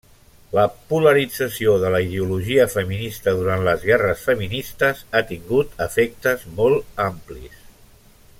La polarització de la ideologia feminista durant les guerres feministes ha tingut efectes molt amplis.